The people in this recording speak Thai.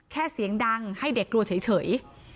แค่เสียงดังให้เด็กรัวเฉย